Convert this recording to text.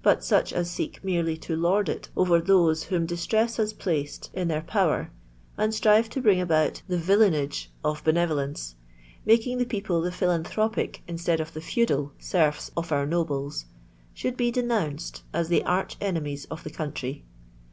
But such as seek taerely to lord it over those whom distress has pUiced in their power, and strive to bring aboot the vUJUinagt of Denevolenoe, making the people the philanthropic, instead of the feudial, tiA of our nobles, should be denounced as the arch enemies of the country.